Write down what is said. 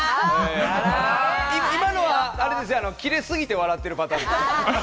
今のはキレすぎて、笑ってるパターンですね。